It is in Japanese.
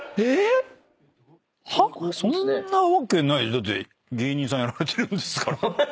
だって芸人さんやられてるんですから。